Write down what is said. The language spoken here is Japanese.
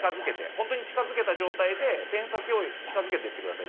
本当に近づけた状態でペン先を近づけてってください。